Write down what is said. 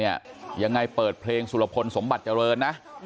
ยังไงเปิดเพลงสุรพลสมบัติเจริญนะ